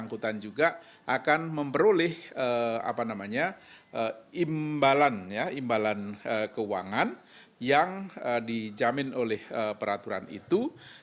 angkutan juga akan memperoleh imbalan keuangan yang dijamin oleh peraturan itu